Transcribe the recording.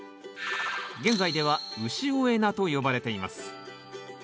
現在では潮江菜と呼ばれています。